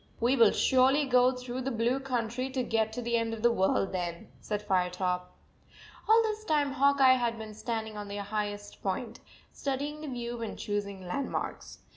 "We will surely go through the blue 99 country to get to the end of the world then," said Firetop. . All this time Hawk Eye had been stand ing on the highest point, studying the view and choosing landmarks.